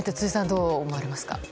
どう思われますか。